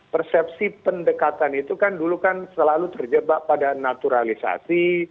persepsi pendekatan itu kan dulu kan selalu terjebak pada naturalisasi